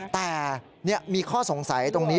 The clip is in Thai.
แต่มีข้อสงสัยตรงนี้